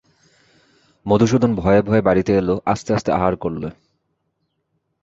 মধুসূদন ভয়ে ভয়ে বাড়িতে এল, আস্তে আস্তে আহার করলে।